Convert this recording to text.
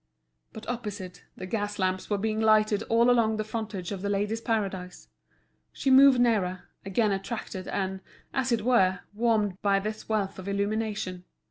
But opposite, the gas lamps were being lighted all along the frontage of The Ladies' Paradise. She moved nearer, again attracted and, as it were, warmed by this wealth of illumination.